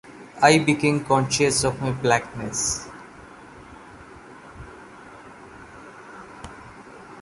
I became conscious of my blackness.